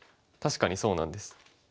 確かにそうなんです。